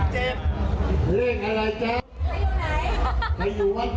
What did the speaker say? เช็ดออกไง